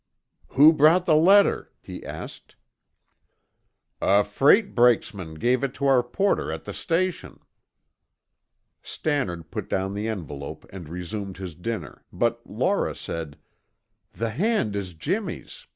"Who brought the letter?" he asked. "A freight brakesman gave it to our porter at the station." Stannard put down the envelope and resumed his dinner, but Laura said, "The hand is Jimmy's.